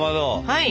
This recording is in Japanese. はい。